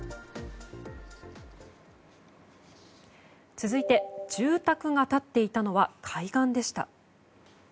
続いて、住宅が立っていたのは海岸でした。